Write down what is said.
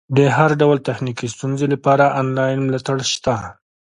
د هر ډول تخنیکي ستونزې لپاره انلاین ملاتړ شته.